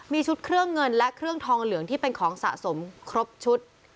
มีชุดเครื่องเงินและเครื่องทองเหลืองที่เป็นของสะสมครบชุด